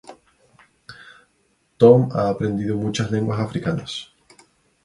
Tom ha aprendido muchas lenguas africanas.